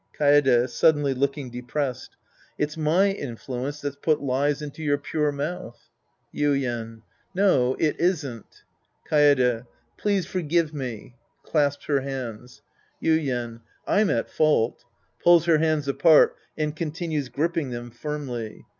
Kaede {suddenly looking depressed). It's my in fluence that's put lies into your pure mouth. Yuien. No. It isn't. Kaede. Please forgive me. {Clasps her hands!) Yuien. I'm at fault. {Pulls her hands apart and continues gripping them firmly.)